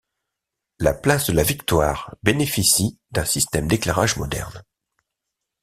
La place de la Victoire bénéficie d'un système d'éclairage moderne.